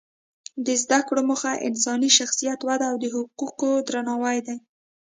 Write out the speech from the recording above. د زده کړو موخه انساني شخصیت وده او د حقوقو درناوی دی.